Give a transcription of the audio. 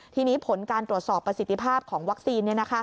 ทีนี้ผลการตรวจสอบประสิทธิภาพของวัคซีน